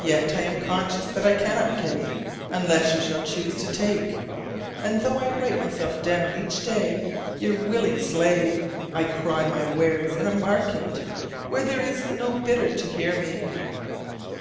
Yet I am conscious that I cannot give, unless you shall choose to take: and though I write myself down each day your willing slave, I cry my wares in a market where there is no bidder to hear me.